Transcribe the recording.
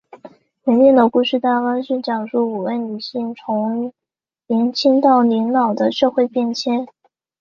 原定的故事大纲是讲述五位女性从年青到老年的社会变迁。